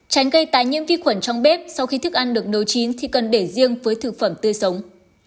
tránh gây tái nhiễm vi khuẩn trong bếp sau khi thức ăn được nấu chín thì cần để riêng với thực phẩm tươi sống